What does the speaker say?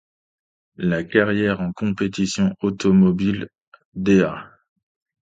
La carrière en compétitions automobiles d'A.